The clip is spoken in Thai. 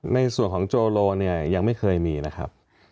ในส่วนของโจโลเนี่ยยังไม่เคยมีนะครับ